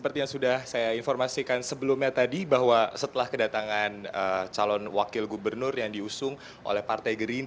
pks sudah bulet pak